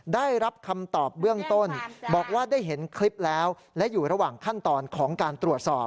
ได้รับคำตอบเบื้องต้นบอกว่าได้เห็นคลิปแล้วและอยู่ระหว่างขั้นตอนของการตรวจสอบ